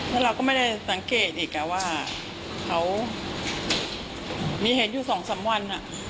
แล้วเราก็ไม่ได้สังเกตอีกว่าเขามีเห็นอยู่สองสามวัน